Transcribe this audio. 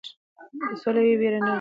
که سوله وي ویره نه وي.